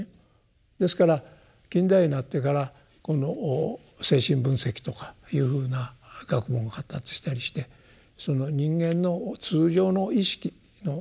ですから近代になってからこの精神分析とかいうふうな学問が発達したりして人間の通常の意識の底にですね